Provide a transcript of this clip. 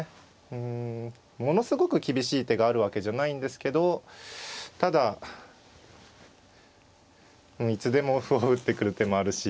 うんものすごく厳しい手があるわけじゃないんですけどただいつでも歩を打ってくる手もあるし。